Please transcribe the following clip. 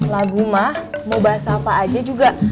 lagu mah mau bahasa apa aja juga